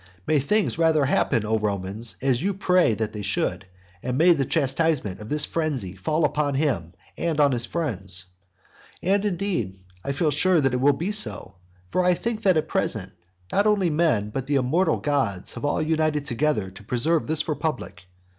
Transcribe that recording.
May things rather happen, O Romans, as you pray that they should, and may the chastisement of this frenzy fall on him and on his friend. And, indeed, I feel sure that it will be so. For I think that at present not only men but the immortal gods have all united together to preserve this republic.